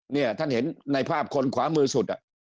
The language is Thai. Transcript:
เนี่ยท่านเห็นในภาพคนขวามือสุด